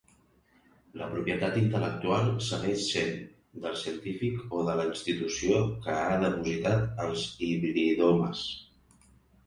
La propietat intel·lectual segueix sent del científic o de la institució que ha depositat els hibridomes.